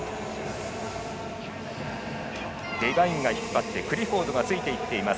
デバインが引っ張ってクリフォードがついていっています。